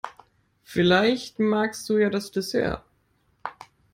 Vielleicht magst du ja das Dessert?